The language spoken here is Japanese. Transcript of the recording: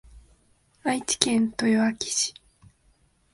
愛知県豊明市